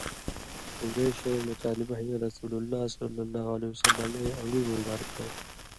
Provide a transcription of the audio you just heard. قُرېشَیں مُطالبہ ہِن رسول اللہ ص وسلّمَیں ان٘گُوۡئ مبارکَیں